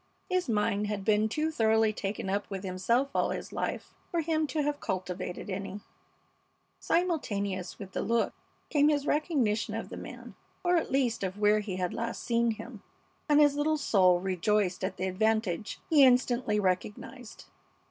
His mind had been too thoroughly taken up with himself all his life for him to have cultivated any. Simultaneous with the look came his recognition of the man or, at least, of where he had last seen him, and his little soul rejoiced at the advantage he instantly recognized.